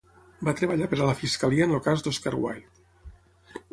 Va treballar per a la fiscalia en el cas Oscar Wilde.